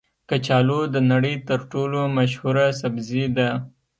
کچالو د نړۍ تر ټولو مشهوره سبزي ده